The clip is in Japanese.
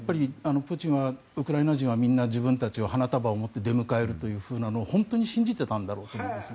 プーチンはウクライナ人はみんな自分たちを花束を持って出迎えるというのを本当に信じてたんだろうと思います。